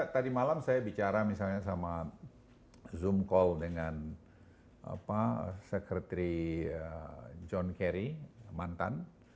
tadi malam saya bicara misalnya sama zoom call dengan secretary john kerry mantan